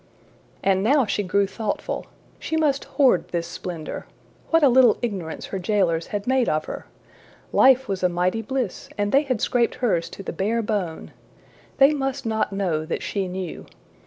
And now she grew thoughtful. She must hoard this splendor! What a little ignorance her jailers had made of her! Life was a mighty bliss, and they had scraped hers to the bare bone! They must not know that she knew.